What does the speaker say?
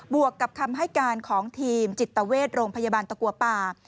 วกกับคำให้การของทีมจิตเวชโรงพยาบาลตะกัวป่า